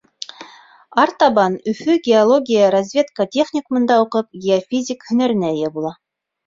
Артабан Өфө геология-разведка техникумында уҡып, геофизик һөнәренә эйә була.